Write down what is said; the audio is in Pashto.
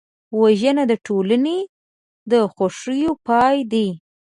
وژنه د ټولنې د خوښیو پای دی